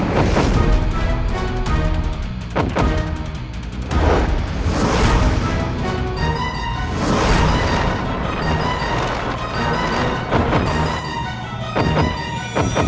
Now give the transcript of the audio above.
company yang akan membuat negeri tersebut bisa mulai berakhir